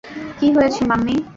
কি হয়েছে মাম্মি?